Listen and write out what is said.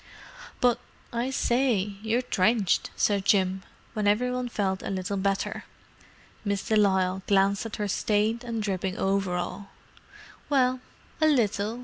"But, I say, you're drenched!" said Jim, when every one felt a little better. Miss de Lisle glanced at her stained and dripping overall. "Well, a little.